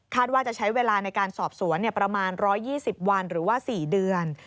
ว่าจะใช้เวลาในการสอบสวนประมาณ๑๒๐วันหรือว่า๔เดือน